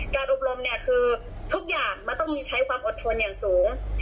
อบรมเนี่ยคือทุกอย่างมันต้องมีใช้ความอดทนอย่างสูง